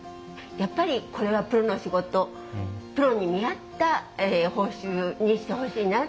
やっぱりこれがプロの仕事プロに見合った報酬にしてほしいなって思いますね。